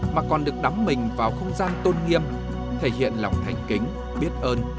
nhưng cũng để đưa mình vào không gian tôn nghiêm thể hiện lòng thanh kính biết ơn